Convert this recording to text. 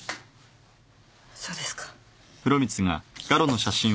そうですか。